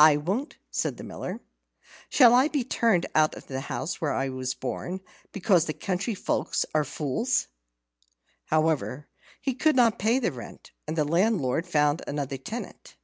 "I won't," said the Miller. "Shall I be turned out of the house where I was born, because the country folk are fools?" However, he could not pay the rent, and the landlord found another tenant.